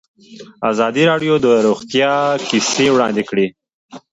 ازادي راډیو د روغتیا کیسې وړاندې کړي.